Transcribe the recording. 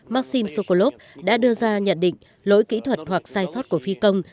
maxim sokolov đã đưa ra nhận định lỗi kỹ thuật hoặc sai sót của phi công